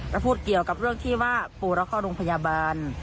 แล้วพูดเกี่ยวกับเรื่องที่ว่าปู่เราเข้าโรงพยาบาล